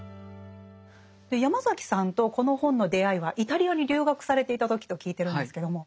ヤマザキさんとこの本の出会いはイタリアに留学されていた時と聞いてるんですけども。